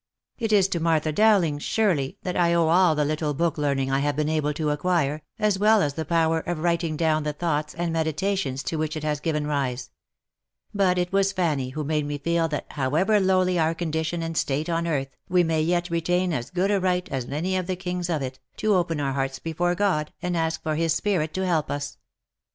It is to Martha Dowling, surely, that I owe all the little book learning I have been able to acquire, as well as the power of writing down the thoughts and meditations to which it has given rise ; but it was Fanny who made me feel that however lowly our condition and state on earth, we may yet retain as good a right as any of the kings of it, to open our hearts before God, and ask for His Spirit to help us.